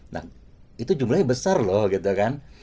nah itu jumlahnya besar loh gitu kan